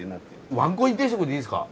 ワンコイン定食でいいですか？